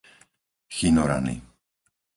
Chynorany